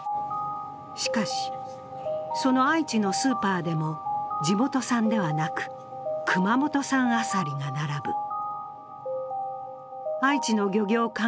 しかし、その愛知のスーパーでも地元産ではなく熊本産アサリが並ぶ。